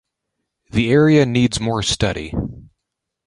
The area needs more study.